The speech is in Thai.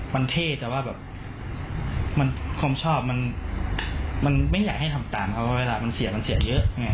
เพราะว่าเวลามันเสียเยอะ